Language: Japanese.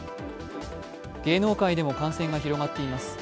芸能界でも感染が広がっています。